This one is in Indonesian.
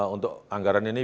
untuk anggaran ini